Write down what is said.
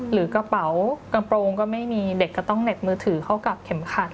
หรือกระเป๋ากระโปรงก็ไม่มีเด็กก็ต้องเน็ตมือถือเข้ากับเข็มขัด